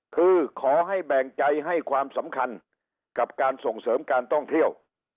คือขอให้แบ่งใจให้ความสำคัญกับการส่งเสริมการท่องเที่ยว